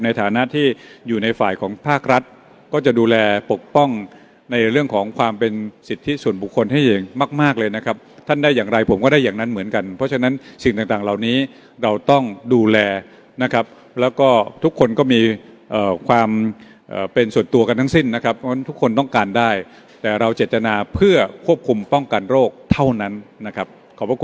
ในฐานะที่อยู่ในฝ่ายของภาครัฐก็จะดูแลปกป้องในเรื่องของความเป็นสิทธิส่วนบุคคลให้เองมากมากเลยนะครับท่านได้อย่างไรผมก็ได้อย่างนั้นเหมือนกันเพราะฉะนั้นสิ่งต่างเหล่านี้เราต้องดูแลนะครับแล้วก็ทุกคนก็มีความเป็นส่วนตัวกันทั้งสิ้นนะครับเพราะฉะนั้นทุกคนต้องการได้แต่เราเจตนาเพื่อควบคุมป้องกันโรคเท่านั้นนะครับขอบคุณ